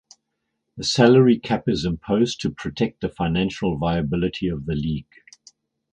A salary cap is imposed to protect the financial viability of the league.